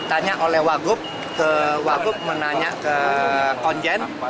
tanya oleh wagup wagup menanya ke konjen